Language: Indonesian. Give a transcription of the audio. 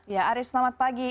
ya arief selamat pagi